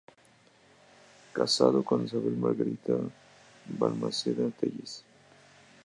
Casado con Isabel Margarita Balmaceda Tellez.